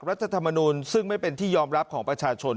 รัฐธรรมนูลซึ่งไม่เป็นที่ยอมรับของประชาชน